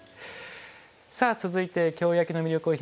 さあ続いて京焼の魅力をひもとく